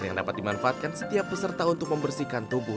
yang dapat dimanfaatkan setiap peserta untuk membersihkan tubuh